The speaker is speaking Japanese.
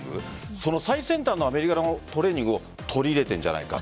その最先端のアメリカのトレーニングを取り入れてるんじゃないか。